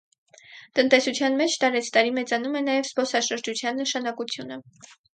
Տնտեսության մեջ տարեցտարի մեծանում է նաև զբոսաշրջության նշանակությունը։